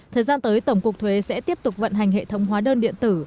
thời gian tới tổng cục thuế sẽ tiếp tục vận hành hệ thống hóa đơn điện tử